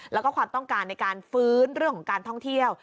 แล้วก็ความต้องการในการฟื้นเรื่องของการท่องเที่ยว